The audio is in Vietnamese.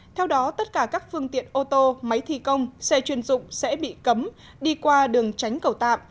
theo đó tất cả các phương tiện ô tô máy thi công xe chuyên dụng sẽ bị cấm đi qua đường tránh cầu tạm